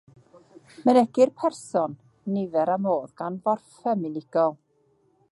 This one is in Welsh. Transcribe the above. Mynegir person, nifer a modd gan forffem unigol.